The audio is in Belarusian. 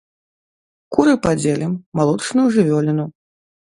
Куры падзелім, малочную жывёліну.